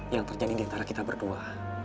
yang terjadi diantara kita berdua